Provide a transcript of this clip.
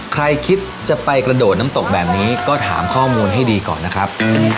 ใครคิดจะไปกระโดดน้ำตกแบบนี้ก็ถามข้อมูลให้ดีก่อนนะครับ